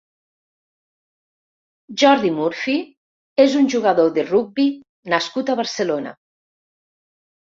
Jordi Murphy és un jugador de rugbi nascut a Barcelona.